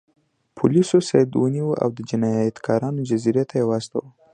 پولیسو سید ونیو او د جنایتکارانو جزیرې ته یې واستاوه.